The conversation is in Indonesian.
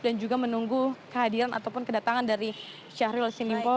dan juga menunggu kehadiran ataupun kedatangan dari syahrul yassin limbo